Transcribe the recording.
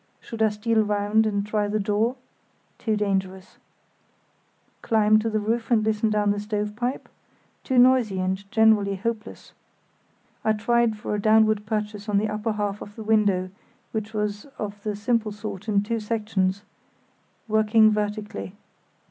Should I steal round and try the door? Too dangerous. Climb to the roof and listen down the stove pipe? Too noisy, and generally hopeless. I tried for a downward purchase on the upper half of the window, which was of the simple sort in two sections, working vertically.